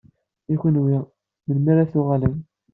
I kenwi, melmi ara tuɣalem?